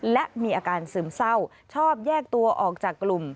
และมีอาการซึมเศร้าชอบแยกตัวออกจากกลุ่ม